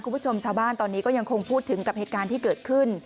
คุณผู้ชมชาวบ้านตอนนี้ก็ยังคงพูดถึงกับเหตุการณ์ที่เกิดขึ้น